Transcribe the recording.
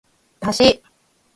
だし